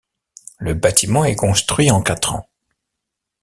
Le bâtiment est construit en quatre ans.